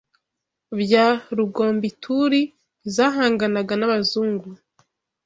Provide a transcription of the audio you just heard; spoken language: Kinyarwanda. bya Rugombituli zahanganaga n’abazungu,